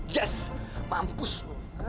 yes mampus lu